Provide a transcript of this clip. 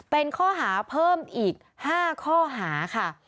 เป็นข้อหาเพิ่มอีก๕ข้อหาค่ะ